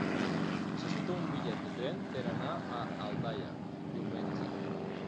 Necessito un bitllet de tren per anar a Aldaia diumenge.